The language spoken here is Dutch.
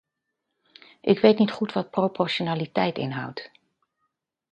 Ik weet niet goed wat proportionaliteit inhoudt.